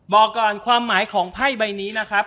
บอกก่อนความหมายของไพ่ใบนี้นะครับ